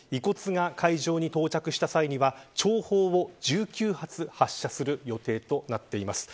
遺骨が会場に到着した際には弔砲を１９発発射する予定となっています。